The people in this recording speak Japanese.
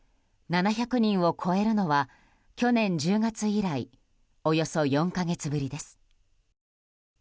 ７００人を超えるのは去年１０月以来およそ４か月ぶりです。